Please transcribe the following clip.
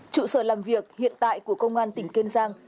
trụ sở làm việc hiện tại của công an tỉnh kiên giang